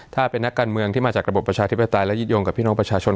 ถ้าเป็นนักการเมืองที่มาจากระบบประชาธิปไตยและยึดโยงกับพี่น้องประชาชน